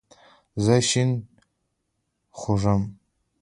زه شین خوښوم